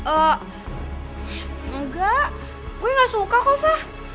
eee enggak gue gak suka kok fah